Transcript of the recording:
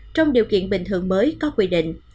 trong điều kiện bình thường mới có quy định